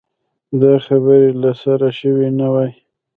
دا خبرې له سره شوې نه وای.